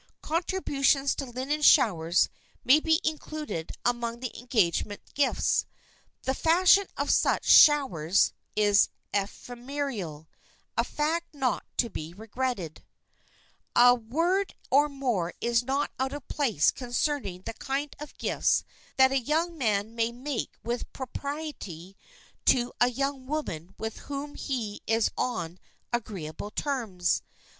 Contributions to linen showers may be included among the engagement gifts. The fashion of such "showers" is ephemeral,—a fact not to be regretted. [Sidenote: WHAT A MAN MAY GIVE] A word or more is not out of place concerning the kind of gifts that a young man may make with propriety to a young woman with whom he is on agreeable terms.